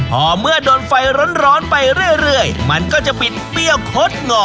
พอเมื่อโดนไฟร้อนไปเรื่อยมันก็จะปิดเปรี้ยวคดงอ